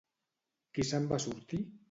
Qui se'n va sortir?